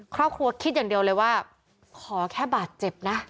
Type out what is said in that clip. ครอบครัวคิดอย่างเดียวเลยว่าขอแค่บาดเจ็บนะ